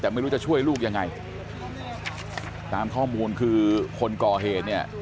แต่ไม่รู้จะช่วยลูกยังไงตามข้อมูลคือคนก่อเหตุเนี่ย